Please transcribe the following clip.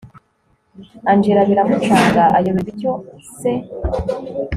angella biramucanga ayoberwa icyo se